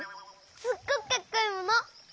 すっごくかっこいいもの！